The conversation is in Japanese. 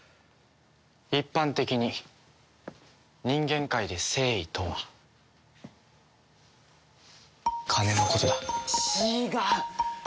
一般的に人間界で誠意とは金のことだ。